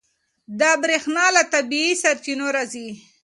دا برېښنا له طبیعي سرچینو راځي.